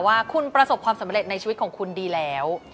ว่าคุณประสบความสำเร็จในชีวิตของคุณดีแล้ว